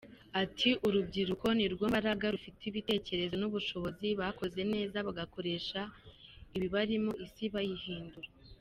Ati “Urubyiruko nirwo mbaraga, rufite ubitekerezo n’ubushobozi, bakoze neza bagakoresha ibibarimo isi bayihindura.